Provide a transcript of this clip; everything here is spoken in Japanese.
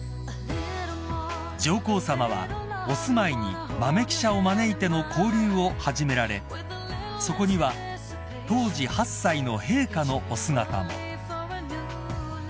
［上皇さまはお住まいに豆記者を招いての交流を始められそこには当時８歳の陛下のお姿も］